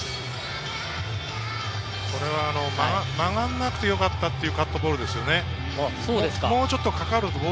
曲がらなくてよかったっていうカットボールですよね。